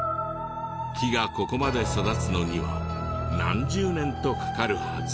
木がここまで育つのには何十年とかかるはず。